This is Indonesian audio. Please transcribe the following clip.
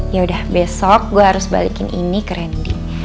ya udah besok gua harus balikin ini ke randi